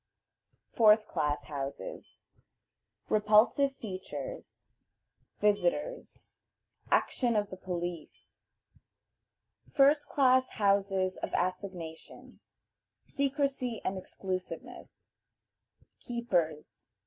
Fourth Class Houses. Repulsive Features. Visitors. Action of the Police. First Class Houses of Assignation. Secrecy and Exclusiveness. Keepers.